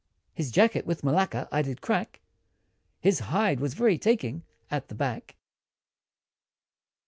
His jacket, with malacca, I did crack! His hide, was very taking, at the back!